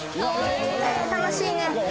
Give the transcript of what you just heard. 楽しいね。